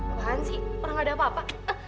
apaan sih orang gak ada apa apa